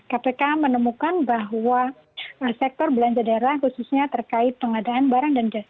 kpk menemukan bahwa sektor belanja daerah khususnya terkait pengadaan barang dan jasa